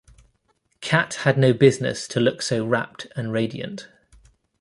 Kat had no business to look so rapt and radiant.